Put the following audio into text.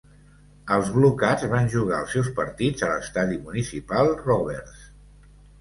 Els BlueCats van jugar els seus partits a l'estadi Municipal Roberts.